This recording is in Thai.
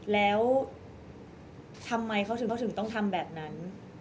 แล้วทำไมเขาถึงต้องทำแบบนั้น